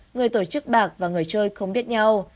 người tổ chức bạc và người chơi không biết nhau